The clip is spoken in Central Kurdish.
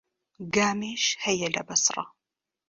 گامێش هەیە لە بەسڕە.